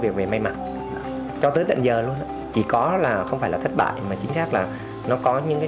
trình đó cho tới tận giờ luôn chỉ có là không phải là thất bại mà chính xác là nó có những cái